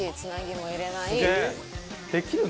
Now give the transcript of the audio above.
できるの？」